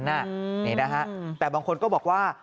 นี่นะฮะแต่บางคนก็บอกว่า